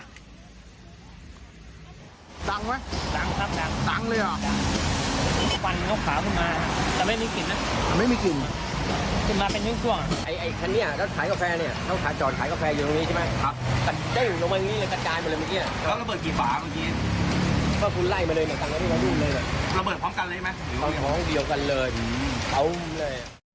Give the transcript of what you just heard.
เขาท้องเดียวกันเลยอืมเขาเลย